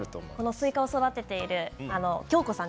スイカを育てている京子さん